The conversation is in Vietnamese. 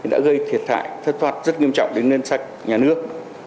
đã gây thiệt thại thất thoạt rất nghiêm trọng đến nền sách nhà nước